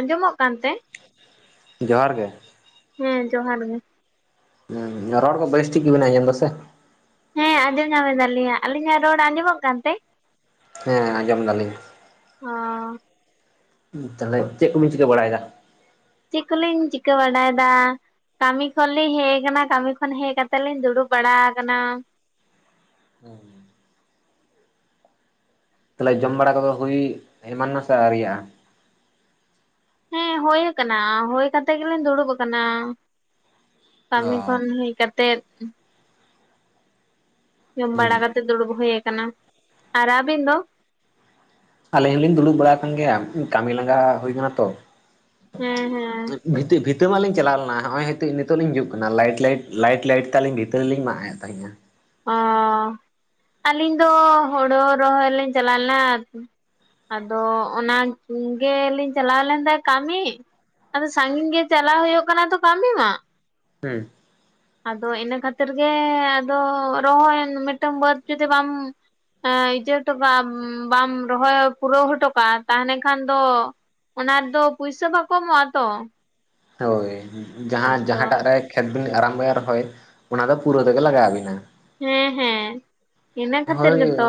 ᱟᱸᱡᱚᱢᱚᱜ ᱠᱟᱱᱛᱮ? ᱡᱚᱦᱟᱨ ᱜᱮ᱾ ᱦᱮᱸ ᱡᱚᱦᱟᱨ ᱜᱮ᱾ ᱮᱸ ᱨᱚᱲ ᱠᱚ ᱵᱮᱥ ᱴᱷᱤᱠ ᱜᱮᱵᱤᱱ ᱟᱸᱡᱚᱢᱫᱟ ᱥᱮ? ᱦᱮᱸ ᱟᱸᱡᱚᱢ ᱧᱟᱢ ᱮᱫᱟᱞᱤᱧ, ᱟᱞᱤᱧᱟᱜ ᱨᱚᱲ ᱟᱸᱡᱚᱢᱚᱜ ᱠᱟᱱᱛᱮ? ᱦᱮᱸ ᱟᱸᱡᱚᱢ ᱫᱟᱞᱤᱧ᱾ ᱚᱸ ᱦᱩᱸ ᱛᱟᱞᱦᱮ ᱪᱮᱜ ᱠᱚᱵᱤᱱ ᱪᱤᱠᱟᱹ ᱵᱟᱲᱟᱭᱫᱟ? ᱪᱮᱜ ᱠᱚᱞᱤᱧ ᱪᱤᱠᱟᱹ ᱵᱟᱰᱟᱭᱫᱟ ᱠᱟᱹᱢᱤ ᱠᱷᱚᱱ ᱞᱤᱧ ᱦᱮᱜ ᱠᱟᱱᱟ ᱠᱟᱹᱢᱤ ᱠᱷᱚᱱ ᱦᱮᱜ ᱠᱟᱛᱮᱜ ᱞᱤᱧ ᱫᱩᱲᱩᱵ ᱵᱟᱲᱟᱣ ᱠᱟᱱᱟ᱾ ᱦᱮᱸ ᱛᱟᱞᱦᱮ ᱡᱚᱢ ᱵᱟᱲᱟ ᱠᱚᱫᱚ ᱦᱩᱭ ᱮᱢᱟᱱᱱᱟ ᱥᱮ ᱟᱹᱣᱨᱤᱭᱟᱜᱼᱟ? ᱦᱮᱸ ᱦᱳᱭ ᱠᱟᱱᱟ ᱦᱳᱭ ᱠᱟᱛᱮ ᱜᱮᱞᱤᱧ ᱫᱩᱲᱩᱵ ᱟᱠᱟᱱᱟ᱾ ᱚ ᱠᱟᱹᱢᱤ ᱠᱷᱚᱱ ᱦᱮᱡ ᱠᱟᱛᱮᱫ ᱡᱚᱢ ᱦᱩᱸ ᱵᱟᱲᱟ ᱠᱟᱛᱮ ᱫᱩᱲᱩᱵ ᱦᱩᱭ ᱠᱟᱱᱟ ᱟᱨ ᱟᱵᱤᱱ ᱫᱚ? ᱟᱹᱞᱤᱧ ᱦᱚᱞᱤᱧ ᱫᱩᱲᱩᱵ ᱵᱟᱲᱟᱣ ᱟᱠᱟᱱ ᱜᱮᱭᱟ ᱠᱟᱹᱢᱤ ᱞᱟᱸᱜᱟ ᱦᱩᱭ ᱠᱟᱱᱟ ᱛᱚ᱾ ᱦᱮᱸ ᱦᱮᱸ ᱵᱷᱤᱛᱟᱹ ᱵᱷᱤᱛᱟᱹ ᱢᱟᱜ ᱞᱤᱧ ᱪᱟᱞᱟᱣ ᱞᱮᱱᱟ ᱦᱚᱸᱜᱼᱚᱭ ᱦᱤᱛᱚᱜ ᱱᱤᱛᱚᱜ ᱞᱤᱧ ᱦᱤᱡᱩᱜ ᱠᱟᱱᱟ ᱞᱟᱭᱤᱰ ᱞᱟᱭᱤᱰ ᱞᱤᱭᱤᱰ ᱞᱟᱭᱤᱰ ᱛᱮ ᱟᱹᱞᱤᱧ ᱵᱷᱤᱛᱟᱹ ᱦᱚᱸᱞᱤᱧ ᱢᱟᱜᱼᱮᱜ ᱛᱟᱦᱮᱜᱼᱟ᱾ ᱚ ᱟᱹᱞᱤᱧ ᱫᱚ ᱦᱳᱲᱳ ᱨᱚᱦᱚᱭ ᱞᱤᱧ ᱪᱟᱞᱟᱣ ᱞᱮᱱᱟ᱾ ᱟᱫᱚ ᱚᱱᱟ ᱜᱮᱞᱤᱧ ᱪᱟᱞᱟᱣ ᱞᱮᱱ ᱫᱚ ᱠᱟᱢᱤ᱾ ᱟᱫᱚ ᱥᱟᱜᱤᱧ ᱜᱮ ᱪᱟᱞᱟᱣ ᱦᱳᱭᱳᱜ ᱠᱟᱱᱟ ᱛᱚ ᱠᱟᱢᱤ ᱢᱟ ᱦᱩᱸ ᱟᱫᱚ ᱤᱱᱟᱹ ᱠᱷᱟᱹᱛᱤᱨ ᱜᱮ ᱟᱫᱚ ᱨᱚᱦᱚᱭ ᱢᱤᱫᱴᱟᱱ ᱵᱟᱹᱫᱽ ᱡᱩᱫᱤ ᱵᱟᱢ ᱮᱸ ᱤᱭᱟᱹ ᱦᱚᱴᱚ ᱠᱟᱜᱼᱟᱢ ᱵᱟᱢ ᱨᱚᱦᱚᱭ ᱯᱩᱨᱟᱹᱣ ᱦᱚᱴᱚ ᱠᱟᱜᱼᱟ ᱛᱟᱦᱮᱸ ᱞᱮᱠᱷᱟᱱ ᱫᱚ ᱚᱱᱟ ᱨᱮᱫᱚ ᱯᱩᱭᱥᱟᱹ ᱵᱟᱠᱚ ᱮᱢᱚᱜᱼᱟ ᱛᱚ᱾ ᱦᱳᱭ ᱡᱟᱦᱟᱸ ᱟᱫᱚ ᱡᱟᱦᱟᱸᱴᱟᱜ ᱨᱮ ᱠᱷᱮᱛ ᱵᱤᱱ ᱟᱨᱟᱢᱵᱚᱭᱟ ᱨᱚᱦᱚᱭ ᱚᱱᱟ ᱫᱚ ᱯᱩᱨᱟᱹ ᱛᱮᱜᱮ ᱞᱟᱜᱟᱣᱵᱤᱱᱟ᱾ ᱦᱮᱸ ᱦᱮᱸ ᱤᱱᱟᱹ ᱠᱷᱟᱹᱛᱤᱨ ᱦᱳᱭ ᱜᱮᱛᱚ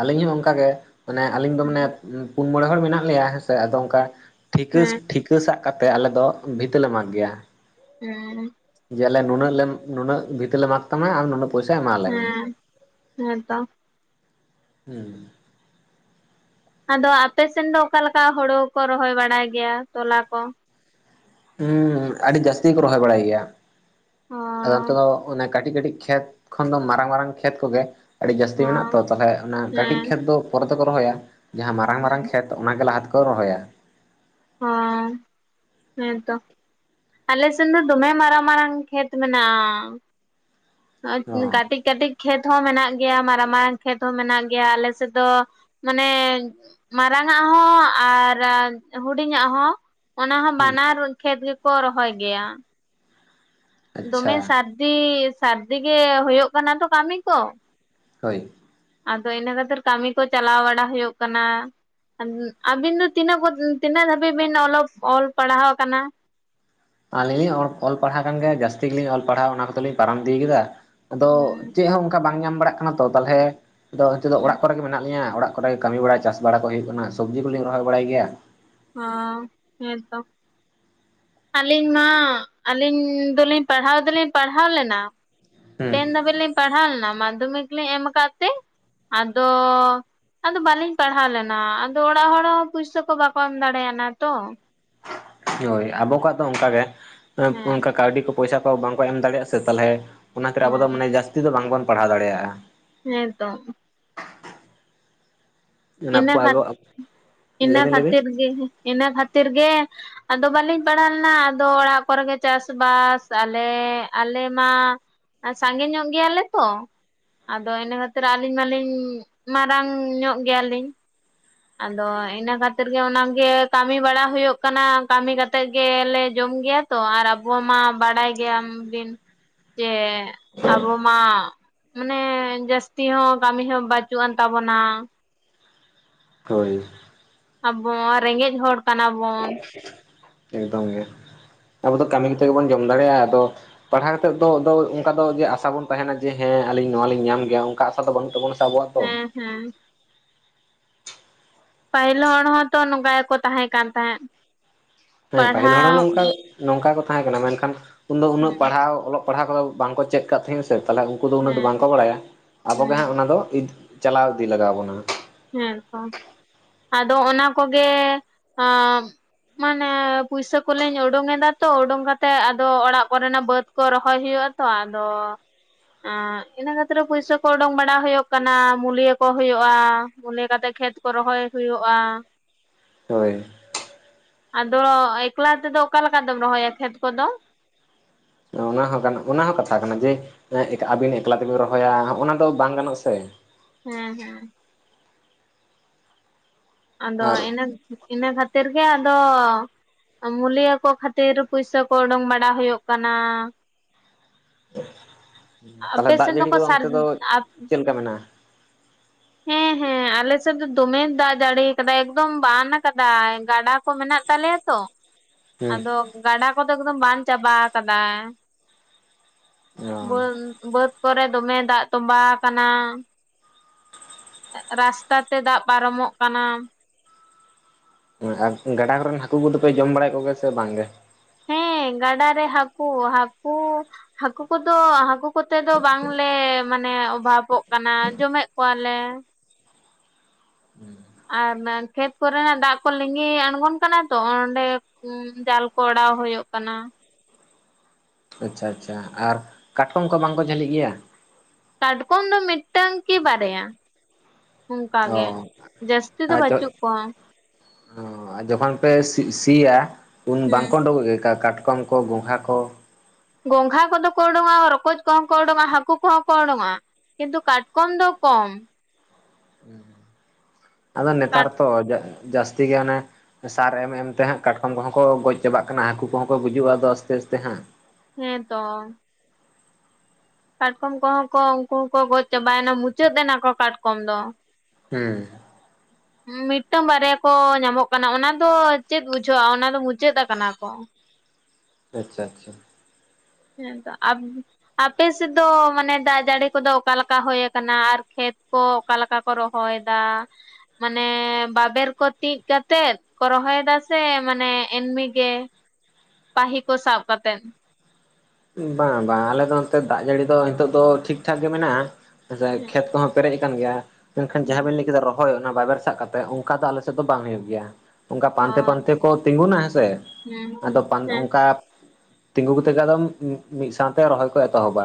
ᱟᱹᱞᱤᱧ ᱦᱚᱸ ᱚᱝᱠᱟᱜ ᱜᱮ ᱢᱟᱱᱮ ᱟᱞᱤᱧ ᱫᱚ ᱢᱟᱱᱮ ᱩᱸ ᱯᱩᱱ ᱢᱚᱬᱮ ᱦᱚᱲ ᱢᱮᱱᱟᱜ ᱞᱮᱭᱟ ᱦᱮᱸᱥᱮ ᱟᱫᱚ ᱚᱝᱠᱟ ᱴᱷᱤᱠᱟᱹ ᱦᱮᱸ ᱴᱷᱤᱠ ᱠᱟᱹ ᱥᱟᱜ ᱠᱟᱛᱮ ᱟᱞᱮ ᱫᱚ ᱵᱷᱤᱛᱟᱹ ᱞᱮ ᱢᱟᱜᱽ ᱜᱮᱭᱟ᱾ ᱦᱮᱸ ᱡᱮ ᱟᱞᱮ ᱱᱩᱱᱟᱹᱜ ᱞᱮ ᱱᱩᱱᱟᱹᱜ ᱵᱷᱤᱛᱟᱹ ᱞᱮ ᱢᱟᱜᱽ ᱛᱟᱢᱟ ᱟᱨ ᱱᱩᱱᱟᱹᱜ ᱯᱚᱭᱥᱟ ᱮᱢᱟᱞᱮ ᱢᱮ ᱦᱮᱸ ᱦᱮᱸᱛᱚ ᱦᱩᱸ᱾ ᱟᱫᱚ ᱟᱯᱮᱥᱮᱱ ᱫᱚ ᱚᱠᱟᱞᱮᱠᱟ ᱦᱳᱲᱳ ᱠᱚ ᱨᱚᱦᱚᱭ ᱵᱟᱲᱟᱭ ᱜᱮᱭᱟ ᱛᱚᱞᱟ ᱠᱚ? ᱦᱩᱸ ᱟᱹᱰᱤ ᱡᱟᱹᱥᱛᱤ ᱠᱚ ᱨᱚᱦᱚᱭ ᱵᱟᱲᱟᱭ ᱜᱮᱭᱟ ᱚ ᱟᱫᱚ ᱚᱱᱛᱮ ᱫᱚ ᱚᱱᱟ ᱠᱟᱹᱴᱤᱡ ᱠᱟᱹᱴᱤᱡ ᱠᱷᱮᱛ ᱠᱷᱚᱱ ᱫᱚ ᱢᱟᱨᱟᱝ ᱢᱟᱨᱟᱝ ᱠᱷᱮᱛ ᱠᱚᱜᱮ ᱟᱹᱰᱤ ᱚ ᱡᱟᱹᱥᱛᱤ ᱢᱮᱱᱟᱜ ᱛᱚ ᱛᱟᱦᱞᱮ ᱚᱱᱟ ᱠᱟᱹᱴᱤᱡ ᱦᱮᱸ ᱠᱷᱮᱛ ᱫᱚ ᱯᱚᱨᱮ ᱛᱮᱠᱚ ᱨᱚᱦᱚᱭᱟ, ᱡᱟᱦᱟᱸ ᱢᱟᱨᱟᱝ ᱢᱟᱨᱟᱝ ᱠᱷᱮᱛ ᱚᱱᱟᱱᱟ ᱜᱮ ᱞᱟᱦᱟ ᱛᱮᱠᱚ ᱨᱚᱦᱚᱭᱟ᱾ ᱦᱚᱸ, ᱦᱮᱸᱛᱚ, ᱟᱞᱮ ᱥᱮᱱ ᱫᱚ ᱫᱚᱢᱮ ᱢᱟᱨᱟᱝ ᱢᱟᱨᱟᱝ ᱠᱷᱮᱛ ᱢᱮᱱᱟᱜᱼᱟ, ᱚ ᱠᱟᱴᱤᱡ ᱠᱟᱹᱴᱤᱡ ᱠᱷᱮᱛ ᱦᱚᱸ ᱢᱮᱱᱟᱜ ᱜᱮᱭᱟ ᱢᱟᱨᱟᱝ ᱢᱟᱨᱟᱝ ᱠᱷᱮᱛ ᱦᱚᱸ ᱢᱮᱱᱟᱜ ᱜᱮᱭᱟ, ᱟᱞᱮ ᱥᱮᱫ ᱫᱚ ᱢᱟᱱᱮ ᱢᱟᱨᱟᱝ ᱟᱜ ᱦᱚᱸ, ᱟᱨ ᱦᱩᱰᱤᱧᱟᱜ ᱦᱚᱸ, ᱚᱱᱟ ᱦᱚᱸ ᱦᱩᱸ ᱵᱟᱱᱟᱨ ᱠᱷᱮᱛ ᱜᱮᱠᱚ ᱨᱚᱦᱚᱭ ᱜᱮᱭᱟ᱾ ᱟᱪᱪᱷᱟ ᱫᱚᱢᱮ ᱥᱟᱹᱨᱫᱤ ᱥᱟᱹᱨᱫᱤ ᱜᱮ ᱦᱳᱭᱳᱜ ᱠᱟᱱᱟ ᱛᱚ ᱠᱟᱢᱤ ᱠᱚ, ᱦᱳᱭ᱾ ᱟᱫᱚ ᱤᱱᱟᱹ ᱠᱷᱟᱛᱤᱨ ᱠᱟᱢᱤ ᱠᱚ ᱪᱟᱞᱟᱣ ᱵᱟᱲᱟ ᱦᱩᱭᱩᱜ ᱠᱟᱱᱟ᱾ ᱟᱵᱤᱱ ᱫᱚ ᱛᱤᱱᱟᱹᱜ ᱠᱚᱛ ᱛᱤᱱᱟᱹᱜ ᱫᱷᱟᱹᱵᱤᱡ ᱵᱤᱱ ᱚᱞᱚᱜ ᱚᱞ ᱯᱟᱲᱦᱟᱣ ᱠᱟᱱᱟ? ᱟᱞᱤᱧ ᱞᱤᱧ ᱚᱲ ᱚᱞ ᱯᱟᱲᱦᱟᱣ ᱠᱟᱱ ᱜᱮᱭᱟ ᱡᱟᱹᱥᱛᱤ ᱜᱮᱞᱤᱧ ᱚᱞ ᱯᱟᱲᱦᱟᱣ ᱚᱱᱟ ᱠᱚᱫᱚ ᱞᱤᱧ ᱯᱟᱨᱚᱢ ᱤᱫᱤᱭ ᱠᱟᱫᱟ᱾ ᱟᱫᱚ ᱦᱩᱸ ᱪᱮᱜ ᱦᱚᱸ ᱚᱝᱠᱟ ᱵᱟᱝ ᱧᱟᱢ ᱵᱟᱲᱟᱜ ᱠᱟᱱᱟ, ᱛᱚ ᱛᱟᱞᱦᱮ ᱟᱫᱚ ᱦᱤᱸᱛᱩᱜ ᱫᱚ ᱦᱩᱸ ᱚᱲᱟᱜ ᱠᱚᱨᱮ ᱜᱮ ᱢᱮᱱᱟᱜ ᱞᱤᱧᱟ ᱚᱲᱟᱜᱼᱼ ᱠᱚᱨᱮ‌ ᱜᱮ‌ ᱠᱟᱢᱤ ᱵᱟᱲᱟ ᱪᱟᱥ ᱵᱟᱲᱟ ᱠᱚ ᱦᱩᱭᱩᱜ ᱠᱟᱱᱟ, ᱥᱩᱵᱽᱡᱤ ᱠᱚᱞᱤᱧ ᱨᱚᱦᱚᱭ ᱵᱟᱲᱟᱭ ᱜᱮᱭᱟ᱾ ᱚ ᱦᱮᱸ ᱛᱚ᱾ ᱟᱞᱤᱧ ᱢᱟ, ᱟᱞᱤᱧ ᱫᱚᱞᱤᱧ ᱯᱟᱲᱦᱟᱣ ᱫᱚᱞᱤᱧ ᱯᱟᱲᱦᱟᱣ ᱞᱮᱱᱟ᱾ ᱦᱩᱸ ᱴᱮᱱ ᱫᱷᱟᱹᱵᱤᱡ ᱞᱤᱧ ᱯᱟᱲᱦᱟᱣ ᱞᱮᱱᱟ ᱢᱟᱫᱽᱫᱷᱚᱢᱤᱠ ᱞᱤᱧ ᱮᱢ ᱟᱠᱟᱜ ᱛᱮ, ᱟᱫᱚᱼᱼ ᱟᱫᱚ ᱵᱟᱞᱤᱧ ᱯᱟᱲᱦᱟᱣ ᱞᱮᱱᱟ ᱟᱫᱚ ᱚᱲᱟᱜ ᱦᱚᱲ ᱦᱚᱸ ᱯᱩᱭᱥᱟᱹ ᱠᱚ ᱵᱟᱠᱚ ᱮᱢ ᱫᱟᱲᱮᱱᱭᱟᱱᱟ ᱛᱚ᱾ ᱦᱳᱭ ᱟᱵᱚ ᱠᱚᱣᱟᱜ ᱫᱚ ᱚᱱᱠᱟ ᱜᱮ ᱚᱸᱜ ᱦᱮᱸ ᱚᱱᱠᱟ ᱠᱟᱣᱰᱤ ᱠᱚ ᱯᱚᱭᱥᱟ ᱠᱚ ᱵᱟᱝ ᱠᱚ ᱮᱢ ᱫᱟᱲᱮᱭᱟᱜ-ᱟ᱾ ᱥᱮ ᱛᱟᱞᱦᱮᱼᱼ ᱚᱱᱟ ᱠᱷᱟᱹᱛᱤᱨ ᱟᱵᱚ ᱦᱚᱸ ᱢᱟᱱᱮ ᱡᱟᱹᱥᱛᱤ ᱫᱚ ᱵᱟᱝ ᱵᱚᱱ ᱯᱟᱲᱦᱟᱣ ᱫᱟᱲᱮᱭᱟᱜ-ᱟ᱾ ᱦᱮᱸ ᱛᱚ᱾ ᱚᱱᱟ ᱤᱱᱟ ᱠᱷᱟᱛ ᱟᱵᱚ [unintelligible] ᱤᱱᱟ ᱞᱟᱹᱭᱵᱤᱱ ᱞᱟᱹᱭᱵᱤᱱ ᱠᱷᱟᱛᱤᱨ ᱜᱮ ᱦᱮᱸ ᱤᱱᱟ ᱠᱷᱟᱛᱤᱨ ᱜᱮ᱾ ᱟᱫᱚ ᱵᱟᱞᱤᱧ ᱯᱟᱲᱟᱣ ᱞᱮᱱᱟ ᱟᱫᱚ ᱚᱲᱟᱜ ᱠᱚᱨᱮ ᱜᱮ ᱪᱟᱥᱼᱵᱟᱥ, ᱟᱞᱮ ᱟᱞᱮ ᱢᱟᱼᱼ ᱟᱨ ᱥᱟᱸᱜᱮ ᱧᱚᱜ ᱜᱮᱭᱟ ᱞᱮ ᱛᱚ᱾ ᱟᱫᱚ ᱤᱱᱟᱹ ᱠᱷᱟᱹᱛᱤᱨ ᱟᱞᱤᱧ ᱢᱟᱞᱤᱧ ᱢᱟᱨᱟᱝ ᱧᱚᱜ ᱜᱮᱭᱟ ᱞᱤᱧ᱾ ᱟᱫᱚ ᱤᱱᱟ ᱠᱷᱟᱛᱤᱨ ᱜᱮ ᱚᱱᱟ ᱜᱮ ᱠᱟᱢᱤ ᱵᱟᱲᱟ ᱦᱩᱭᱩᱜ ᱠᱟᱱᱟ ᱠᱟᱢᱤ ᱠᱟᱛᱮᱜ ᱜᱮᱞᱮ ᱡᱚᱢ ᱜᱮᱭᱟ᱾ ᱛᱚ ᱟᱨ ᱟᱵᱚ ᱢᱟ ᱵᱟᱲᱟᱭ ᱜᱮᱭᱟᱢ ᱵᱤᱱ, ᱡᱮᱼᱼ ᱟᱵᱚ ᱢᱟ ᱢᱟᱱᱮ ᱡᱟᱥᱛᱤ ᱦᱚᱸ ᱠᱟᱢᱤ ᱦᱚᱸ ᱵᱟᱪᱩᱜᱼᱟᱱ ᱛᱟᱵᱚᱱᱟ᱾ ᱦᱳᱭ᱾ ᱟᱵᱚ ᱢᱟ ᱨᱮᱸᱜᱮᱡ ᱦᱚᱲ ᱠᱟᱱᱟ ᱵᱚᱱ᱾ [unintelligible] ᱮᱠᱫᱚᱢ ᱜᱮ ᱟᱵᱚ ᱫᱚ ᱠᱟᱢᱤ ᱠᱟᱛᱮᱜ ᱜᱮᱵᱚᱱ ᱡᱚᱢ ᱫᱟᱲᱮᱭᱟᱜ-ᱟ ᱟᱫᱚᱼᱼ ᱯᱟᱲᱦᱟᱣ ᱠᱟᱛᱮᱜ ᱫᱚ ᱫᱚ ᱚᱱᱠᱟ ᱫᱚ ᱡᱮ ᱟᱥᱟ ᱵᱚᱱ ᱛᱟᱦᱮᱱᱟ ᱡᱮ ᱦᱮᱸ ᱟᱞᱤᱧ ᱱᱚᱣᱟ ᱞᱤᱧ ᱧᱟᱢ ᱜᱮᱭᱟ ᱚᱱᱠᱟ ᱟᱥᱟ ᱫᱚ ᱵᱟᱹᱱᱩᱜ ᱛᱟᱹᱵᱩᱱᱟ᱾ ᱦᱮᱸ ᱦᱮᱸ᱾ ᱯᱟᱦᱤᱞ ᱦᱚᱲ ᱦᱚᱸ ᱛᱚ ᱱᱚᱝᱠᱟ ᱜᱮᱠᱚ ᱛᱟᱦᱮᱸ ᱠᱟᱱ ᱛᱟᱦᱮᱸᱜ᱾ ᱦᱮᱸ ᱯᱟᱦᱤᱞ ᱦᱚᱲ ᱦᱚᱸ ᱱᱚᱝᱠᱟᱼᱼ ᱱᱚᱝᱠᱟ ᱜᱮ ᱠᱚ ᱛᱟᱦᱮᱸ ᱠᱟᱱᱟ ᱢᱮᱱᱠᱷᱟᱱ ᱩᱱ ᱫᱚ ᱩᱱᱟᱹᱜ ᱦᱮᱸ ᱯᱟᱲᱦᱟᱣ ᱚᱞᱚᱜ ᱯᱟᱲᱦᱟᱣ ᱠᱚᱫᱚ ᱵᱟᱝ ᱠᱚ ᱪᱮᱫ ᱠᱟᱜ ᱛᱮᱦᱮᱸᱥ᱾ ᱥᱮ ᱛᱟᱦᱚᱞᱮ ᱩᱱᱠᱩ ᱫᱚ ᱩᱱᱟᱹᱜ ᱫᱚ ᱵᱟᱝ ᱦᱮᱸ ᱠᱚ ᱵᱟᱲᱟᱭᱟ᱾ ᱟᱵᱚ ᱜᱮ ᱦᱟᱸᱜ ᱦᱮᱸ ᱚᱱᱟ ᱫᱚ ᱪᱟᱞᱟᱣ ᱤᱫᱤ ᱞᱟᱜᱟᱣ ᱵᱚᱱᱟ᱾ ᱦᱮᱸ ᱛᱚ, ᱟᱫᱚ ᱚᱱᱟ ᱠᱚ ᱜᱮ ᱚᱢ ᱼᱼ ᱢᱟᱱᱮ ᱯᱩᱭᱥᱟᱹ ᱠᱚᱞᱤᱧ ᱩᱰᱩᱚᱝ ᱮᱫᱟ ᱛᱚ ᱩᱰᱩᱝ ᱠᱟᱛᱮᱜ ᱟᱫᱚ ᱚᱲᱟᱜ ᱠᱚᱨᱮ ᱱᱟᱜ ᱵᱟᱹᱛᱼᱼ ᱠᱚ ᱨᱚᱦᱚᱭ ᱦᱩᱭᱩᱜ-ᱟ ᱛᱚ ᱟᱫᱚᱼᱼ ᱟᱸᱻᱤᱱᱟᱹ ᱠᱷᱟᱹᱛᱤᱨ ᱯᱩᱭᱥᱟᱹ ᱠᱚ ᱚᱰᱩᱚᱝ ᱵᱟᱲᱟ ᱦᱩᱭᱩᱜ ᱠᱟᱱᱟ, ᱢᱩᱞᱭᱟᱹ ᱠᱚ ᱦ ᱦᱩᱭᱩᱜ-ᱟ᱾ ᱯᱚᱞᱮ‌ ᱠᱟᱛᱮᱜ ᱠᱷᱮᱛ ᱠᱚ ᱨᱚᱦᱚᱭ ᱦᱩᱭᱩᱜ-ᱟ᱾ ᱦᱳᱭ᱾ ᱟᱫᱚ ᱮᱠᱞᱟ ᱛᱮᱫᱚ ᱚᱠᱟ ᱞᱮᱠᱟ ᱫᱚᱢ ᱨᱚᱦᱚᱭᱟ ᱠᱷᱮᱛ ᱠᱚᱫᱚ? ᱚᱻᱚᱱᱟ ᱦᱚᱸ ᱜᱟᱱᱚᱜ-ᱟ ᱚᱱᱟ ᱦᱚᱸ ᱠᱟᱛᱷᱟ ᱠᱟᱱᱟ ᱡᱮ ᱮᱸᱜ ᱟᱵᱤᱱ ᱮᱠᱞᱟ ᱛᱮᱵᱤᱱ ᱨᱚᱦᱚᱭᱟ ᱦᱚᱸ ᱚᱱᱟ ᱫᱚ ᱵᱟᱝ ᱜᱟᱱᱚᱜ ᱥᱮ᱾ ᱦᱮᱸ ᱦᱮᱸ᱾ ᱟᱫᱚ ᱟᱨ ᱤᱱᱟᱹ, ᱤᱱᱟᱹ ᱠᱷᱟᱹᱛᱤᱨ ᱜᱮ ᱟᱫᱚᱼᱼ ᱢᱩᱞᱤᱭᱟᱹ ᱠᱚ ᱠᱷᱟᱛᱤᱨ ᱯᱩᱭᱥᱟᱹ ᱠᱚ ᱚᱰᱚᱝ ᱵᱟᱲᱟ ᱦᱩᱭᱩᱜ ᱠᱟᱱᱟ᱾ [unintelligible] ᱛᱟᱞᱦᱮ ᱟᱯᱮ ᱫᱟᱜ ᱥᱮᱱ ᱡᱟᱹᱲᱤ ᱫᱚᱠᱚ ᱠᱚᱫᱚ ᱥᱟᱨ ᱚᱱᱛᱮ ᱫᱚ ᱟᱯ ᱪᱮᱜ ᱞᱮᱠᱟ ᱢᱮᱱᱟᱜ-ᱟ? ᱦᱮᱸ ᱦᱮᱸ ᱟᱞᱮ ᱥᱮᱫ ᱫᱚ ᱫᱚᱢᱮ ᱫᱟᱜ, ᱡᱟᱲᱤᱭ ᱠᱟᱫᱟᱭ ᱮᱠᱫᱚᱢ ᱵᱟᱱ ᱟᱠᱟᱫᱟᱭ ᱜᱟᱰᱟ ᱠᱚ ᱢᱮᱱᱟᱜ ᱛᱟᱞᱮᱭᱟ ᱛᱚ ᱦᱮᱸ ᱟᱫᱚᱼᱼ ᱜᱟᱰᱟ ᱠᱚᱫᱚ ᱮᱠᱫᱚᱢ ᱵᱟᱱ ᱪᱟᱵᱟ ᱟᱠᱟᱫᱟ ᱚ ᱾ᱵᱟᱹᱱᱼᱼ [unintelligible] ᱵᱟᱹᱛ ᱠᱚᱨᱮ ᱫᱚᱢᱮ ᱫᱟᱜ ᱛᱚᱸᱵᱟᱣ ᱠᱟᱱᱟ᱾ ᱨᱟᱥᱛᱟ ᱛᱮ ᱫᱟᱜ ᱯᱟᱨᱚᱢᱚᱜ ᱠᱟᱱᱟ᱾ ᱦᱳᱭ ᱟᱨ ᱜᱟᱰᱟ ᱠᱚᱨᱮᱱ ᱦᱟᱠᱩ ᱠᱩᱫᱚ ᱯᱮ ᱡᱚᱢ ᱵᱟᱲᱟᱭᱮᱜ ᱠᱚᱜᱮ ᱥᱮ ᱵᱟᱝ ᱜᱮ? ᱦᱮᱸ ᱜᱟᱰᱟ ᱨᱮ ᱦᱟᱠᱩ, ᱦᱟᱠᱩᱼᱼ ᱦᱟᱠᱩ ᱠᱚᱫᱚ ᱦᱟᱠᱩ ᱠᱚᱛᱮ ᱫᱚ ᱵᱟᱝ ᱞᱮ ᱢᱟᱱᱮ ᱚᱵᱷᱟᱯᱚᱜ ᱠᱟᱱᱟ ᱡᱚᱢᱮᱜ ᱠᱚᱣᱟ ᱞᱮ᱾ ᱟᱨ ᱚᱱᱟ ᱠᱷᱮᱛ ᱠᱚᱨᱮ ᱱᱟᱜ ᱫᱟᱜ ᱠᱚ ᱞᱤᱸᱜᱤ ᱟᱬᱜᱚᱱ ᱠᱟᱱᱟ ᱛᱚ ᱚᱻ ᱚᱸᱰᱮ᱾ ᱡᱟᱞ ᱠᱚ ᱚᱰᱟᱣ ᱦᱩᱭᱩᱜ ᱠᱟᱱᱟ᱾ ᱟᱪᱪᱷᱟ ᱟᱪᱪᱷᱟ, ᱟᱨ ᱠᱟᱴᱠᱚᱢ ᱠᱚ ᱵᱟᱝᱠᱚ ᱡᱷᱟᱹᱞᱤᱜ ᱜᱮᱭᱟ᱾ ᱠᱟᱴᱠᱚᱢ ᱫᱚ ᱢᱤᱫᱴᱟᱝ ᱠᱤ ᱵᱟᱨᱭᱟ᱾ ᱵᱟᱝ ᱚ ᱜᱮ ᱡᱟᱹᱥᱛᱤ ᱫᱚ ᱟᱨ ᱡᱚ ᱵᱟᱹᱪᱩᱜ ᱠᱚᱣᱟ᱾ ᱡᱚᱠᱷᱚᱱ ᱯᱮ ᱥᱤ ᱥᱤᱭᱟ ᱩᱱ ᱵᱟᱝᱠᱚ ᱦᱩᱸ ᱩᱰᱩᱠᱚᱜ ᱜᱮ ᱠᱟ ᱠᱟᱴᱠᱚᱢ, ᱠᱟᱴᱠᱚᱢ ᱠᱚ ᱜᱚᱝᱜᱷᱟ ᱠᱚ? ᱜᱚᱝᱜᱷᱟ ᱠᱚᱫᱚ ᱚᱰᱚᱝᱚᱜᱟ, ᱨᱚᱠᱚᱡᱽ ᱠᱚᱦᱚᱸ ᱚᱰᱚᱝᱚᱜᱟ, ᱦᱟᱹᱠᱩ ᱠᱚᱦᱚᱸ ᱚᱰᱚᱝᱚᱜᱟ, ᱠᱤᱱᱛᱩ ᱠᱟᱴᱠᱚᱢ ᱫᱚ ᱠᱚᱢ᱾ ᱟᱫᱚ ᱱᱮᱛᱟᱨ ᱠᱟᱴ ᱛᱚ ᱡᱟ ᱡᱟᱹᱥᱛᱤ ᱜᱮ ᱚᱱᱮ ᱥᱟᱨ ᱮᱢ ᱮᱢ ᱛᱮᱦᱟᱸᱜ ᱠᱟᱴᱠᱚᱢ ᱠᱚᱦᱚᱸ ᱠᱚ ᱜᱚᱡ ᱪᱟᱵᱟᱜ ᱠᱟᱱᱟ ᱦᱟᱹᱠᱩ ᱠᱚᱦᱚᱸ ᱠᱚ ᱜᱩᱡᱩᱜ-ᱟ ᱟᱫᱚ ᱟᱥᱛᱮ ᱟᱥᱛᱮ ᱦᱟᱸᱜ᱾ ᱦᱮᱸ ᱛᱚ᱾ ᱠᱟᱴᱠᱚᱢ ᱠᱚᱦᱚᱸ ᱠᱚ ᱩᱱᱠᱩ ᱦᱚᱸᱠᱚ ᱜᱚᱡ ᱪᱟᱵᱟᱭᱮᱱᱟ ᱢᱩᱪᱟᱹᱫ ᱮᱱᱟ ᱠᱚ ᱠᱟᱴᱠᱚᱢ ᱫᱚ, ᱦᱮᱸ, ᱢᱤᱫᱴᱟᱝ ᱵᱟᱨᱭᱟ ᱠᱚ ᱧᱟᱢᱚᱜ ᱠᱟᱱᱟ ᱚᱱᱟ ᱫᱚ ᱪᱮᱫ ᱵᱩᱡᱷᱟᱹᱜ-ᱟ ᱚᱱᱟ ᱫᱚ ᱢᱩᱪᱟᱹᱫ ᱟᱠᱟᱱᱟ ᱠᱚ᱾ ᱟᱪᱪᱷᱟ ᱟᱪᱪᱷᱟ, [unintelligible] ᱦᱮᱸ ᱛᱚ ᱟᱵ [unintelligible] ᱟᱯᱮ ᱥᱮᱫ ᱫᱚ ᱢᱟᱱᱮ ᱫᱟᱜ ᱡᱟᱹᱲᱤ ᱠᱚᱫᱚ ᱚᱠᱟ ᱞᱮᱠᱟ ᱦᱩᱭ ᱟᱠᱟᱱᱟ ᱟᱨ ᱠᱷᱮᱛ ᱠᱚ ᱚᱠᱟ ᱞᱮᱠᱟ? ᱠᱚ ᱨᱚᱦᱚᱭ ᱫᱟ ᱢᱟᱱᱮ ᱵᱟᱵᱮᱨ ᱠᱚ ᱛᱤᱡ ᱠᱟᱛᱮᱫ? ᱠᱚ ᱨᱚᱦᱚᱭ ᱫᱟ ᱥᱮ ᱢᱟᱱᱮ ᱮᱢᱱᱤ ᱜᱮ ᱯᱟᱦᱤ ᱠᱚ ᱥᱟᱵ ᱠᱟᱛᱮᱜ᱾ ᱵᱟᱝ ᱵᱟᱝ ᱟᱞᱮ ᱫᱚ ᱱᱚᱛᱮ ᱫᱟᱜ ᱡᱟᱹᱲᱤ ᱫᱚ ᱱᱤᱛᱚᱜ ᱫᱚ ᱴᱷᱤᱠ ᱴᱷᱟᱠ ᱜᱮ ᱢᱮᱱᱟᱜ-ᱟ, ᱮᱸ ᱦᱩᱸ ᱠᱷᱮᱛ ᱠᱚᱦᱚᱸ ᱯᱮᱨᱮᱡ ᱟᱠᱟᱱ ᱜᱮᱭᱟ ᱢᱮᱱᱠᱷᱟᱱ ᱡᱟᱦᱟᱸ ᱦᱩᱸ ᱵᱤᱱ ᱞᱟᱹᱭ ᱠᱮᱫᱟ ᱨᱚᱦᱚᱭ ᱚᱱᱟ ᱵᱟᱵᱮᱨ ᱥᱟᱵ ᱠᱟᱛᱮ ᱚᱱᱠᱟ ᱫᱚ ᱟᱞᱮ ᱥᱮᱫ ᱫᱚ ᱵᱟᱝ ᱦᱩᱭᱩᱜ ᱜᱮᱭᱟ᱾ ᱚᱱᱠᱟ ᱚ ᱯᱟᱱᱛᱮ ᱯᱟᱱᱛᱮ ᱠᱚ ᱛᱤᱸᱜᱩᱱᱟ ᱦᱮᱸᱥᱮ, ᱦᱩᱸ ᱟᱫᱚ ᱦᱩᱸ ᱯᱟᱝ ᱦᱮᱸ ᱚᱱᱠᱟ ᱛᱤᱸᱜᱩ ᱠᱟᱛᱮ ᱜᱮ ᱟᱫᱚᱢ ᱢᱤ ᱢᱤᱫ ᱥᱟᱶᱛᱮ ᱨᱚᱦᱚᱭ ᱠᱚ ᱮᱛᱚᱦᱚᱵᱟ᱾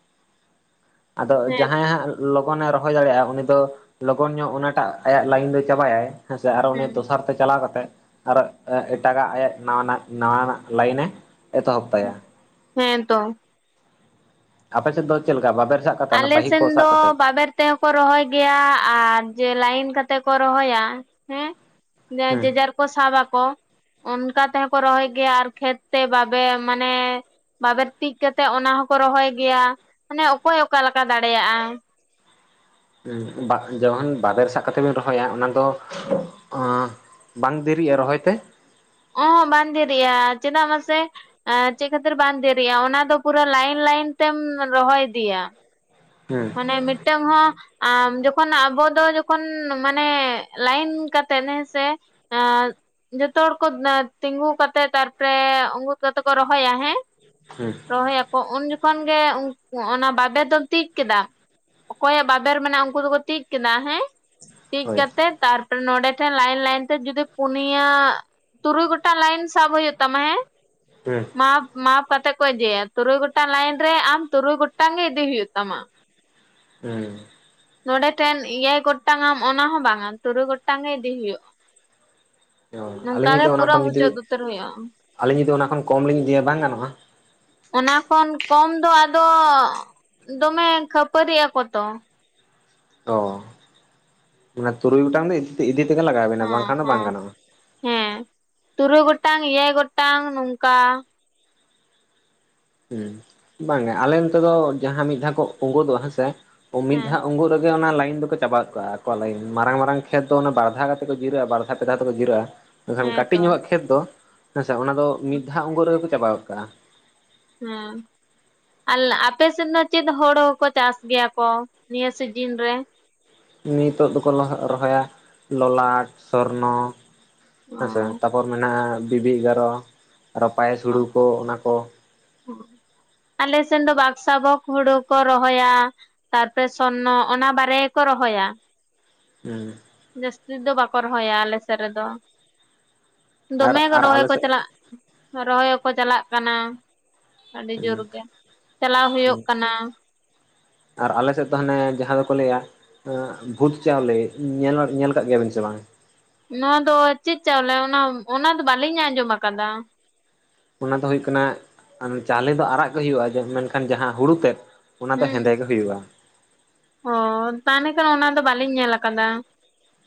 [unintelligible] ᱟᱫᱚ ᱦᱮᱸ ᱡᱟᱦᱟᱸᱭ ᱦᱟᱸᱜ ᱞᱚᱜᱚᱱ ᱮ ᱨᱚᱦᱚᱭ ᱫᱟᱲᱮᱭᱟᱜ-ᱟ, ᱩᱱᱤ ᱫᱚ ᱞᱚᱜᱚᱱ ᱧᱚᱜ ᱚᱱᱟᱴᱟᱜ ᱟᱭᱟᱜ ᱞᱟᱭᱤᱱ ᱫᱚᱭ ᱪᱟᱵᱟᱭᱟᱭ, ᱦᱮᱸᱥᱮ, ᱟᱨ ᱩᱱᱤ ᱫᱚᱥᱟᱨ ᱛᱮ ᱪᱟᱞᱟᱣ ᱠᱟᱛᱮ ᱟᱨᱚ ᱮᱴᱟᱜᱟᱜ ᱟᱭᱟᱜ ᱱᱟᱣᱟᱱᱟᱜ ᱱᱟᱣᱟᱱᱟᱜ ᱞᱟᱭᱤᱱ ᱮ ᱮᱛᱚᱦᱚᱵ ᱛᱟᱭᱟ᱾ ᱦᱩᱸ ᱦᱮᱸ ᱛᱚ, ᱟᱯᱮ ᱥᱮᱫ ᱫᱚ ᱪᱮᱫ ᱞᱮᱠᱟ ᱵᱟᱵᱮᱨ ᱥᱟᱵ? ᱠᱟᱛᱮ ᱚᱱᱟ ᱟᱞᱮ ᱯᱟᱹᱦᱤ ᱥᱮᱱ ᱠᱚ ᱫᱚ ᱥᱟᱵ ᱠᱟᱛᱮ ᱵᱟᱵᱮᱨ ᱛᱮ ᱦᱚᱸᱠᱚ ᱨᱚᱦᱚᱭ ᱜᱮᱭᱟ, ᱟᱨ ᱡᱮ ᱞᱟᱭᱤᱱ ᱠᱟᱛᱮ ᱠᱚ ᱨᱚᱦᱚᱭᱟ ᱦᱮᱸ, ᱡᱮ ᱦᱮᱸ ᱡᱮᱡᱟᱨ ᱠᱚ ᱥᱟᱵ ᱟᱠᱚ, ᱚᱱᱠᱟ ᱛᱮᱦᱚᱸ ᱠᱚ ᱨᱚᱦᱚᱭ ᱜᱮᱭᱟ ᱟᱨ ᱠᱷᱮᱛ ᱛᱮ ᱵᱟᱵᱮ ᱢᱟᱱᱮ, ᱵᱟᱵᱮᱨ ᱴᱤᱡ ᱠᱟᱛᱮᱜ ᱚᱱᱟ ᱦᱚᱸᱠᱚ ᱨᱚᱦᱚᱭ ᱜᱮᱭᱟ ᱢᱟᱱᱮ ᱚᱠᱚᱭ ᱚᱠᱟ ᱞᱮᱠᱟ ᱫᱟᱲᱮᱭᱟᱜᱼᱟ᱾ ᱵᱟᱜ ᱡᱮᱦᱚᱱ ᱵᱟᱵᱮᱨ ᱥᱟᱜ ᱠᱟᱛᱮᱜ ᱵᱤᱱ ᱨᱚᱦᱚᱭᱟ ᱚᱱᱟ ᱫᱚ ᱚᱸ ᱵᱟᱝ ᱫᱮᱨᱤᱜᱼᱟ ᱨᱚᱦᱚᱭ ᱛᱮ? ᱚᱸᱦᱚᱸᱜ ᱵᱟᱝ ᱫᱮᱨᱤᱜᱼᱟ ᱪᱮᱫᱟᱜ ᱢᱟᱥᱮ ᱮ ᱪᱮᱜ ᱠᱷᱟᱹᱛᱤᱨ ᱵᱟᱝ ᱫᱮᱨᱤᱜᱼᱟ ᱚᱱᱟ ᱫᱚ ᱯᱩᱨᱟᱹ ᱞᱟᱭᱤᱱ ᱞᱟᱭᱤᱱ ᱛᱮᱢ ᱨᱚᱦᱚᱭ ᱤᱫᱤᱭᱟ᱾ ᱦᱮᱸ ᱮ ᱢᱤᱫᱴᱟᱹᱝ ᱦᱚᱸ ᱟᱢ ᱡᱚᱠᱷᱚᱱ ᱟᱵᱚ ᱫᱚ ᱡᱚᱠᱷᱚᱱ ᱢᱟᱱᱮ ᱞᱟᱭᱤᱱ ᱠᱟᱛᱮᱫ ᱦᱮᱸᱥᱮ ᱟᱸ ᱡᱚᱛᱚ ᱦᱚᱲ ᱠᱚ ᱮᱸᱛ ᱛᱤᱸᱜᱩ ᱠᱟᱛᱮᱜ ᱛᱟᱨᱯᱚᱨᱮ ᱩᱝᱜᱩᱛ ᱠᱟᱛᱮᱜ ᱠᱚ ᱨᱚᱦᱚᱭᱟ ᱦᱮᱸ᱾ ᱦᱮᱸ ᱨᱚᱦᱚᱭᱟᱠᱚ ᱩᱱ ᱡᱚᱠᱷᱚᱱ ᱜᱮ ᱩᱝ ᱚᱱᱟ ᱵᱟᱵᱮᱨ ᱫᱚ ᱛᱤᱠ ᱠᱮᱫᱟ ᱚᱠᱚᱭᱟᱜ ᱵᱟᱵᱮᱨ ᱢᱮᱱᱟᱜᱼᱟ ᱩᱝᱠᱩ ᱫᱚᱠᱚ ᱛᱤᱡ ᱠᱮᱫᱟ ᱦᱮᱸ ᱛᱤᱠ ᱦᱳᱭ ᱠᱟᱛᱮᱫ ᱛᱟᱨᱯᱚᱨᱮ ᱱᱚᱸᱰᱮ ᱴᱷᱮᱱ ᱞᱟᱭᱤᱱ ᱞᱟᱭᱤᱱ ᱛᱮ ᱡᱩᱫᱤ ᱯᱩᱱᱭᱟ ᱛᱩᱨᱩᱭ ᱜᱚᱴᱟᱝ ᱞᱟᱭᱤᱱ ᱥᱟᱵ ᱦᱩᱭᱩᱜ ᱛᱟᱢᱟ ᱦᱮᱸ᱾ ᱦᱮᱸ ᱢᱟᱯ ᱢᱟᱯ ᱠᱟᱛᱮᱜ ᱠᱚ ᱤᱫᱮᱭᱟ ᱛᱩᱨᱩᱭ ᱜᱚᱴᱟᱝ ᱞᱟᱭᱤᱱ ᱨᱮ ᱟᱢ ᱛᱩᱨᱩᱭ ᱜᱚᱴᱟᱝ ᱜᱮ ᱤᱫᱤ ᱦᱩᱭᱩᱜ ᱛᱟᱢᱟ᱾ ᱦᱮᱸ ᱱᱚᱸᱰᱮ ᱴᱷᱮᱱ ᱮᱭᱟᱭ ᱜᱚᱴᱟᱝᱟᱢ ᱚᱱᱟ ᱦᱚᱸ ᱵᱟᱝᱟ ᱛᱩᱨᱩᱭ ᱜᱚᱴᱴᱟᱝ ᱜᱮ ᱤᱫᱤ ᱦᱩᱭᱩᱜᱼᱟ᱾ ᱚ ᱱᱚᱝᱠᱟ ᱟᱹᱞᱤᱧ ᱜᱮ ᱡᱩᱫᱤ ᱚᱱᱟ ᱯᱩᱨᱟᱹ ᱠᱷᱚᱱ ᱡᱩᱫᱤ ᱢᱩᱪᱟᱹᱫ ᱩᱛᱟᱹᱨ ᱦᱩᱭᱩᱜᱼᱟ ᱟᱹᱞᱤᱧ ᱡᱩᱫᱤ ᱚᱱᱟ ᱠᱷᱚᱱ ᱠᱚᱢ ᱞᱤᱧ ᱤᱫᱤᱭᱟ ᱵᱟᱝ ᱜᱟᱱᱚᱜᱼᱟ? ᱚᱱᱟ ᱠᱷᱚᱱ ᱠᱚᱢ ᱫᱚ ᱟᱫᱚ ᱫᱚᱢᱮ ᱠᱷᱟᱹᱯᱟᱹᱨᱤᱜ ᱟᱠᱚ ᱛᱚ᱾ ᱚ ᱢᱟᱱᱮ ᱛᱩᱨᱩᱭ ᱜᱚᱴᱟᱝ ᱫᱚ ᱤᱫᱤ ᱛᱮ ᱤᱫᱤ ᱛᱮᱜᱮ ᱞᱟᱜᱟᱣᱵᱮᱱᱟ ᱦᱮᱸ ᱵᱟᱝᱠᱷᱟᱱ ᱫᱚ ᱵᱟᱝ ᱦᱮᱸ ᱜᱟᱱᱚᱜᱼᱟ? ᱦᱮᱸ ᱛᱩᱨᱩᱭ ᱜᱚᱴᱟᱝ ᱮᱭᱟᱭ ᱜᱚᱴᱟᱝ ᱱᱚᱝᱠᱟ᱾ ᱦᱩᱸ ᱵᱟᱝ ᱜᱮ ᱟᱞᱮ ᱱᱚᱛᱮ ᱫᱚ ᱡᱟᱦᱟᱸ ᱢᱤᱜ ᱫᱷᱟᱣ ᱠᱚ ᱳᱸᱜᱳᱫᱚᱜᱼᱟ ᱦᱮᱸᱥᱮ ᱢᱤᱫ ᱦᱮᱸ ᱫᱷᱟᱣ ᱳᱸᱜᱳᱜ‌ ᱨᱮᱜᱮ ᱚᱱᱟ ᱞᱟᱭᱤᱱ ᱫᱚᱠᱚ ᱪᱟᱵᱟ ᱠᱟᱜᱼᱟ ᱟᱠᱚᱣᱟᱜ ᱞᱟᱹᱭᱤᱱ ᱢᱟᱨᱟᱝ ᱢᱟᱨᱟᱝ ᱠᱷᱮᱫᱽ ᱫᱚ ᱚᱱᱟ ᱵᱟᱨᱫᱷᱟᱣ ᱠᱟᱛᱮᱜ ᱠᱚ ᱡᱤᱨᱟᱹᱜᱼᱟ ᱵᱟᱨᱫᱷᱟ ᱯᱮᱫᱷᱟᱣ ᱛᱮᱠᱚ ᱡᱤᱨᱟᱹᱜᱼᱟ᱾ ᱢᱮᱱᱠᱷᱟᱱ ᱦᱮᱸ ᱠᱟᱹᱴᱤᱡ ᱛᱚ ᱧᱚᱜᱼᱟᱜ ᱠᱷᱮᱛ ᱫᱚ ᱦᱮᱸᱥᱮ ᱚᱱᱟ ᱫᱚ ᱢᱤᱫ ᱫᱷᱟᱣ ᱳᱸᱜᱳᱜ ᱨᱮᱜᱮ ᱠᱚ ᱪᱟᱵᱟ ᱜᱚᱜ ᱠᱟᱜᱼᱟ᱾ ᱦᱮᱸ ᱟᱞ ᱟᱯᱮ ᱥᱮᱱ ᱱᱚ ᱪᱮᱫ ᱦᱳᱲᱳ ᱦᱚᱸᱠᱚ ᱪᱟᱥ ᱜᱮᱭᱟ ᱠᱚ ᱱᱤᱭᱟᱹ ᱥᱤᱡᱤᱱ ᱨᱮ? ᱱᱤᱛᱚᱜ ᱫᱚᱠᱚ ᱞᱚᱜ ᱨᱚᱦᱚᱭᱟ ᱞᱚᱞᱟᱴ ᱥᱚᱨᱱᱚ ᱦᱮᱸᱥᱮ ᱚ ᱛᱟᱯ ᱯᱚᱨ ᱢᱮᱱᱟᱜᱼᱟ ᱵᱤᱵᱤ ᱮᱜᱟᱨᱚ ᱟᱨᱚ ᱯᱟᱭᱮᱥ ᱦᱩᱲᱩ ᱠᱚ ᱚ ᱚᱱᱟ ᱠᱚ᱾ ᱟᱞᱮ ᱥᱮᱱ ᱫᱚ ᱵᱟᱠᱥᱟ ᱵᱚᱠᱽ ᱦᱳᱲᱳ ᱠᱚ ᱨᱚᱦᱚᱭᱟ᱾ ᱛᱟᱨᱯᱚᱨᱮ ᱥᱚᱨᱱᱚ ᱚᱱᱟ ᱵᱟᱨᱭᱟ ᱜᱮᱠᱚ ᱨᱚᱦᱚᱭᱟ᱾ ᱦᱩᱸ ᱡᱟᱹᱥᱛᱤ ᱫᱚ ᱵᱟᱠᱚ ᱨᱚᱦᱚᱭᱟ ᱟᱞᱮ ᱥᱮᱜ ᱨᱮᱫᱚ᱾ ᱟᱨ ᱫᱚᱢᱮ ᱠᱚ ᱟᱨ ᱨᱚᱦᱚᱭ ᱟᱞᱮ ᱠᱚ ᱥᱮᱫ ᱪᱟᱞᱟᱜ ᱨᱚᱦᱚᱭ ᱦᱚᱸᱠᱚ ᱪᱟᱞᱟᱜ ᱠᱟᱱᱟ᱾ ᱟᱹᱰᱤ ᱡᱳᱨ ᱜᱮ ᱪᱟᱞᱟᱣ ᱦᱳᱭᱳᱜ ᱠᱟᱱᱟ᱾ ᱟᱨ ᱟᱞᱮ ᱥᱮᱜ ᱫᱚ ᱦᱟᱱᱮ ᱡᱟᱦᱟᱸ ᱫᱚᱠᱚ ᱞᱟᱹᱭᱟ ᱮᱸ ᱵᱷᱩᱛ ᱪᱟᱣᱞᱮ ᱧᱮᱞᱟ ᱧᱮᱞ ᱠᱟᱜ ᱜᱮᱭᱟᱵᱤᱱ ᱥᱮ ᱵᱟᱝ? ᱱᱚᱣᱟ ᱫᱚ ᱪᱮᱫ ᱪᱟᱣᱞᱮ ᱚᱱᱟ ᱚᱱᱟ ᱫᱚ ᱵᱟᱹᱞᱤᱧ ᱟᱸᱡᱚᱢ ᱟᱠᱟᱫᱟ᱾ ᱚᱱᱟ ᱫᱚ ᱦᱩᱭᱩᱜ ᱠᱟᱱᱟ ᱪᱟᱣᱞᱮ ᱫᱚ ᱟᱨᱟᱜ ᱜᱮ ᱦᱩᱭᱩᱜᱼᱟ ᱡᱮ ᱢᱮᱱᱠᱷᱟᱱ ᱡᱟᱦᱟᱸ ᱦᱩᱲᱩ ᱛᱮᱫ ᱚᱱᱟ ᱫᱚ ᱦᱩᱸ᱾ ᱦᱮᱸᱫᱮ ᱜᱮ ᱦᱩᱭᱩᱜᱼᱟ᱾ ᱚ ᱛᱟᱦᱞᱮ ᱠᱷᱟᱱ ᱚᱱᱟ ᱫᱚ ᱵᱟᱹᱞᱤᱧ ᱧᱮᱞ ᱟᱠᱟᱫᱟ᱾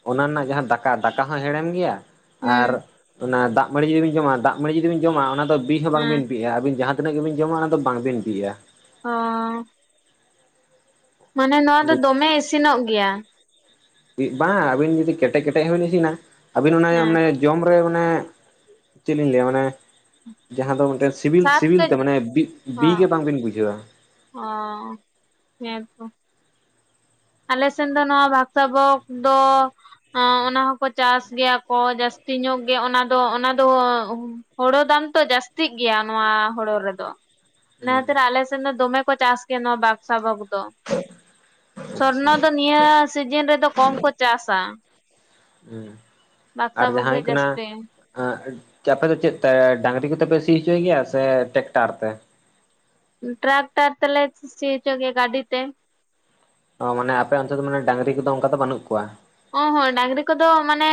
ᱚᱱᱟ ᱱᱟᱜ ᱡᱟᱦᱟᱸ ᱫᱟᱠᱟ ᱫᱟᱠᱟ ᱦᱚᱸ ᱦᱮᱲᱮᱢ ᱜᱮᱭᱟ ᱟᱨ ᱦᱩᱸ ᱚᱱᱟ ᱫᱟᱜ ᱢᱟᱹᱲᱤ ᱡᱩᱫᱤ ᱵᱤᱱ ᱡᱚᱢᱟ ᱫᱟᱜ ᱢᱟᱹᱲᱤ ᱡᱩᱫᱤ ᱵᱤᱱ ᱡᱚᱢᱟ ᱚᱱᱟ ᱫᱚ ᱵᱤ ᱦᱚᱸ ᱦᱮᱸ ᱵᱟᱝᱵᱤᱱ ᱵᱤᱜᱼᱟ ᱟᱵᱤᱱ ᱡᱟᱦᱟᱸ ᱛᱤᱱᱟᱹᱜ ᱜᱤᱵᱤᱱ ᱡᱚᱢᱟ ᱚᱱᱟ ᱫᱚ ᱵᱟᱝᱵᱤᱱ ᱵᱤᱜᱼᱟ᱾ ᱚ᱾ ᱢᱟᱱᱮ ᱱᱚᱣᱟ ᱫᱚ ᱫᱚᱢᱮ ᱤᱥᱤᱱᱚᱜ ᱜᱮᱭᱟ᱾ ᱵᱟᱝ, ᱟᱹᱵᱤᱱ ᱡᱩᱫᱤ ᱠᱮᱴᱮᱡ ᱠᱮᱴᱮᱡ ᱦᱚᱸᱵᱤᱱ ᱤᱥᱤᱱᱟ ᱟᱹᱵᱤᱱ ᱚᱱᱟ ᱦᱮᱸ ᱢᱟᱱᱮ ᱡᱚᱢ ᱨᱮ ᱢᱟᱱᱮ, ᱪᱮᱜᱞᱤᱧ ᱞᱟᱹᱭᱟ ᱢᱟᱱᱮ, ᱡᱟᱦᱟᱸ ᱫᱚ ᱢᱤᱫᱴᱮᱱ ᱥᱤᱵᱤᱞ ᱥᱟᱛ ᱥᱤᱵᱤᱞ ᱛᱮ ᱠᱮᱡᱤ ᱢᱟᱱᱮ ᱵᱤ ᱚ ᱵᱤ ᱜᱮ ᱵᱟᱝᱵᱤᱱ ᱵᱩᱡᱷᱟᱹᱣᱟ᱾ ᱚ, ᱦᱮᱸ ᱛᱚ᱾ ᱟᱞᱮ ᱥᱮᱱ ᱫᱚ ᱱᱚᱣᱟ ᱵᱷᱟᱠᱥᱟᱵᱚᱠ ᱫᱚ ᱚᱸ, ᱚᱱᱟ ᱦᱚᱸᱠᱚ ᱪᱟᱥ ᱜᱮᱭᱟ ᱠᱚ ᱡᱟᱹᱥᱛᱤ ᱧᱚᱜ ᱜᱮ ᱚᱱᱟ ᱫᱚ ᱚᱱᱟ ᱫᱚ ᱮᱸ ᱦᱳᱲᱳ ᱫᱟᱢ ᱛᱚ ᱡᱟᱹᱥᱛᱤᱜ ᱜᱮᱭᱟ ᱱᱚᱣᱟ ᱦᱳᱲᱳ ᱨᱮᱫᱚ᱾ ᱚᱱᱟ ᱠᱷᱟᱹᱛᱤᱨ ᱦᱩᱸ ᱛᱤᱨ ᱟᱞᱮ ᱥᱮᱱ ᱫᱚ ᱫᱚᱢᱮ ᱠᱚ ᱪᱟᱥ ᱜᱮᱭᱟ ᱱᱚᱣᱟ ᱵᱟᱠᱥᱟᱵᱚᱠ ᱫᱚ᱾ ᱟᱪᱪᱷᱟ ᱥᱚᱨᱱᱚ ᱫᱚ ᱱᱤᱭᱟᱹ ᱥᱤᱡᱤᱱ ᱨᱮᱫᱚ ᱠᱚᱢ ᱠᱚ ᱪᱟᱥᱼᱟ᱾ ᱦᱮᱸ ᱟᱨ ᱡᱟᱦᱟᱸ ᱦᱩᱭᱩᱜ ᱠᱟᱱᱟ ᱡᱟᱹᱥᱛᱤ ᱟᱸᱜ ᱠᱮ ᱟᱯᱮ ᱫᱚ ᱪᱮᱫ ᱛᱮ ᱰᱟᱝᱨᱤ ᱠᱚᱛᱮ ᱯᱮ ᱥᱤ ᱦᱚᱪᱚᱭ ᱜᱮᱭᱟ ᱥᱮ ᱴᱮᱠᱴᱟᱨ ᱛᱮ? ᱴᱨᱟᱠᱴᱟᱨ ᱛᱮᱞᱮ ᱥᱤ ᱦᱚᱪᱚ ᱜᱮᱭᱟ ᱜᱟᱹᱰᱤ ᱛᱮ᱾ ᱚ ᱢᱟᱱᱮ ᱟᱯᱮ ᱚᱱᱛᱮ ᱫᱚ ᱢᱟᱱᱮ ᱰᱟᱝᱨᱤ ᱠᱚᱫᱚ ᱚᱱᱠᱟ ᱫᱚ ᱵᱟᱹᱱᱩᱜ ᱠᱚᱣᱟ᱾ ᱚ ᱦᱚᱸ ᱰᱟᱝᱨᱤ ᱠᱚᱫᱚ ᱢᱟᱱᱮ᱾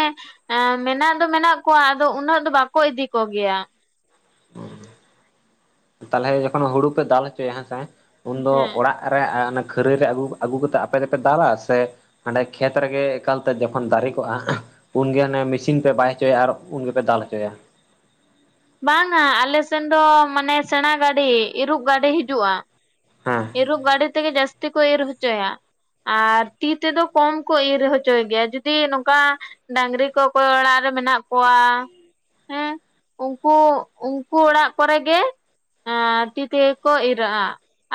ᱮᱸ ᱢᱮᱱᱟᱜ ᱫᱚ ᱢᱮᱱᱟᱜ ᱠᱚᱣᱟ ᱟᱫᱚ ᱩᱱᱟᱹᱜ ᱫᱚ ᱵᱟᱠᱚ ᱤᱫᱤ ᱠᱚᱜᱮᱭᱟ᱾ ᱩᱸ, ᱛᱟᱞᱦᱮ ᱡᱚᱠᱷᱚᱱ ᱦᱩᱲᱩ ᱯᱮ ᱫᱟᱞ ᱦᱚᱪᱚᱭᱟ ᱦᱮᱸ ᱥᱮ, ᱩᱱᱫᱚ ᱦᱮᱸ ᱚᱲᱟᱜ ᱟᱨᱮ ᱚᱱᱟ ᱠᱷᱟᱹᱨᱟᱹᱭ ᱨᱮ ᱟᱹᱜᱩ ᱟᱹᱜᱩ ᱠᱟᱛᱮᱜ ᱟᱯᱮ ᱜᱮᱯᱮ ᱫᱟᱞᱟ ᱥᱮ ᱦᱟᱸᱰᱮ ᱠᱷᱮᱛ ᱨᱮᱜᱮ ᱮᱠᱟᱞᱛᱮ ᱡᱚᱠᱷᱚᱱ ᱫᱟᱨᱮ ᱠᱚᱜᱼᱟ ᱩᱱᱜᱮ ᱦᱟᱱᱮ ᱢᱤᱥᱤᱱ ᱯᱮ ᱵᱟᱭ ᱦᱚᱪᱚᱭᱟ ᱟᱨ ᱩᱱᱜᱮᱯᱮ ᱫᱟᱞ ᱦᱚᱪᱚᱭᱟ? ᱵᱟᱝ ᱱᱟ ᱟᱞᱮ ᱥᱮᱱ ᱫᱚ ᱢᱟᱱᱮ ᱥᱮᱬᱟ ᱜᱟᱹᱰᱤ ᱤᱨᱩᱜ ᱜᱟᱹᱰᱤ ᱦᱤᱡᱩᱜᱼᱟ᱾ ᱦᱮᱸ᱾ ᱮᱨᱩᱜ ᱜᱟᱹᱰᱤ ᱛᱮᱜᱮ ᱡᱟᱹᱥᱛᱤ ᱠᱚ ᱤᱨ ᱦᱚᱪᱚᱭᱟ᱾ ᱟᱨ ᱛᱤ ᱛᱮᱫᱚ ᱠᱚᱢ ᱠᱚ ᱤᱨ ᱦᱚᱪᱚᱭ ᱜᱮᱭᱟ ᱡᱩᱫᱤ ᱱᱚᱝᱠᱟ ᱰᱟᱝᱨᱤ ᱠᱚ ᱚᱠᱚᱭ ᱚᱲᱟᱜ ᱨᱮ ᱢᱮᱱᱟᱜ ᱠᱚᱣᱟ ᱦᱮᱸ ᱩᱱᱠᱩ ᱩᱱᱠᱩ ᱚᱲᱟᱜ ᱠᱚᱨᱮ ᱜᱮ ᱮᱸ ᱛᱤ ᱛᱮᱜᱮ ᱠᱚ ᱤᱨᱟᱜᱼᱟ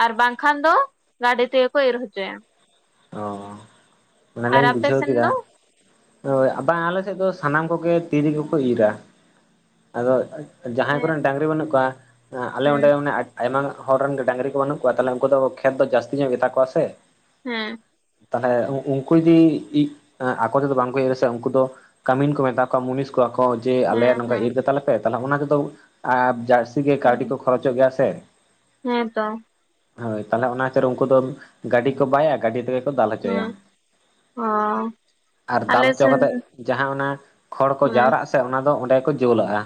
ᱟᱨ ᱵᱟᱝᱠᱷᱟᱱ ᱫᱚ ᱜᱟᱹᱰᱤ ᱛᱮᱜᱮ ᱠᱚ ᱤᱨ ᱦᱚᱪᱚᱭᱟ᱾ ᱚ, ᱚᱱᱟ ᱟᱨ ᱞᱤᱧ ᱟᱯᱮ ᱵᱩᱡᱷᱟᱹᱣ ᱥᱮᱱ ᱠᱮᱫᱟ᱾ ᱫᱚ? ᱦᱳᱭ, ᱵᱟᱝ ᱟᱞᱮ ᱥᱮᱫ ᱫᱚ ᱥᱟᱱᱟᱢ ᱠᱚᱜᱮ ᱛᱤ ᱛᱮᱜᱮ ᱠᱚ ᱤᱨᱟ᱾ ᱟᱫᱚ ᱡᱟᱦᱟᱸᱭ ᱦᱮᱸ ᱠᱚᱨᱮᱱ ᱛᱚ ᱰᱟᱝᱨᱤ ᱵᱟᱹᱱᱩᱜ ᱠᱚᱣᱟ ᱮᱸ ᱟᱞᱮ ᱚᱸᱰᱮ ᱦᱮᱸ ᱢᱟᱱᱮ ᱟᱭᱢᱟ ᱦᱚᱲ ᱨᱮᱱ ᱜᱮ ᱰᱟᱹᱟᱝᱨᱤ ᱠᱚ ᱵᱟᱹᱱᱩᱜ ᱠᱚᱣᱟ ᱛᱟᱞᱦᱮ ᱩᱱᱠᱩ ᱫᱚ ᱠᱷᱮᱛ ᱫᱚ ᱡᱟᱹᱥᱛᱤ ᱧᱚᱜ ᱜᱮᱛᱟ ᱠᱚᱣᱟ ᱥᱮ᱾ ᱦᱮᱸ᱾ ᱛᱟᱞᱦᱮ ᱩ ᱩᱱᱠᱩ ᱡᱩᱫᱤ ᱤ ᱟᱠᱚ ᱛᱮᱫᱚ ᱵᱟᱝᱠᱚ ᱤᱨ ᱟᱥᱮ ᱩᱱᱠᱩ ᱫᱚ ᱠᱟᱹᱢᱤᱱ ᱠᱚ ᱢᱮᱛᱟ ᱠᱚᱣᱟ ᱢᱩᱱᱤᱥ ᱠᱚᱣᱟ ᱠᱚ ᱡᱮ ᱟᱞᱮᱭᱟᱜ ᱦᱮᱸ ᱱᱚᱝᱠᱟ ᱤᱨ ᱦᱮᱸ ᱠᱟᱛᱟᱞᱮ ᱯᱮ ᱛᱟᱞᱦᱮ ᱚᱱᱟ ᱛᱮᱫᱚ ᱮᱸ ᱡᱟᱨᱥᱤ ᱜᱮ ᱠᱟᱹᱣᱰᱤ ᱦᱮᱸ ᱠᱚ ᱠᱷᱚᱨᱚᱪᱚᱜ ᱜᱮᱭᱟ ᱥᱮ᱾ ᱦᱮᱸ ᱛᱚ᱾ ᱦᱳᱭ ᱛᱟᱞᱦᱮ ᱚᱱᱟ ᱠᱷᱟᱛᱤᱨ ᱩᱱᱠᱩ ᱫᱚ ᱜᱟᱹᱰᱤ ᱠᱚ ᱵᱟᱭᱟ ᱜᱟᱹᱰᱤ ᱛᱮᱜᱮ ᱠᱚ ᱫᱟᱞ ᱦᱚᱪᱚᱭᱟ᱾ ᱦᱮᱸ ᱚ ᱟᱨ ᱫᱟᱞ ᱟᱞᱮ ᱦᱚᱪᱚ ᱥᱮᱱ ᱠᱟᱛᱮᱫ ᱡᱟᱦᱟᱸ ᱚᱱᱟ ᱠᱷᱚᱲ ᱠᱚ ᱦᱮᱸ ᱡᱟᱣᱨᱟᱜᱼᱟ ᱥᱮ ᱥᱮ ᱚᱱᱟ ᱫᱚ ᱚᱸᱰᱮ ᱜᱮᱠᱚ ᱡᱩᱞᱟᱜᱼᱟ᱾